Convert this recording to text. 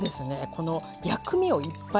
この薬味をいっぱい